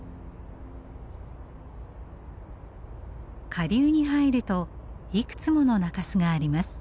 下流に入るといくつもの中州があります。